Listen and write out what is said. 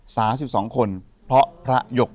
สาว๑๒คนเพราะพระหยก